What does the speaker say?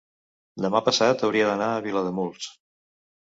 demà passat hauria d'anar a Vilademuls.